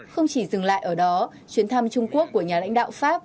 không chỉ dừng lại ở đó chuyến thăm trung quốc của nhà lãnh đạo pháp